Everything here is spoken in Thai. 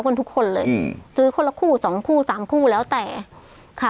กันทุกคนเลยอืมซื้อคนละคู่สองคู่สามคู่แล้วแต่ค่ะ